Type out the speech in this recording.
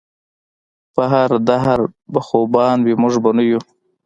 پۀ هر دهر به خوبان وي مونږ به نۀ يو